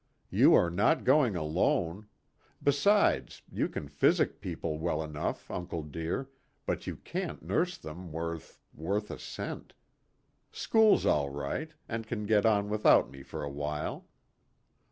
"You are not going alone. Besides, you can physic people well enough, uncle dear, but you can't nurse them worth worth a cent. School's all right, and can get on without me for a while.